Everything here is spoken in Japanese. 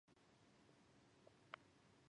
長野県須坂市